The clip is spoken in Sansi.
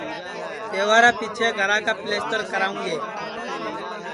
تہوارا پیچھیں گھرا کا پیلستر کراوں گے